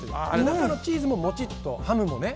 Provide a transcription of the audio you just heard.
中のチーズもモチッと、ハムもね。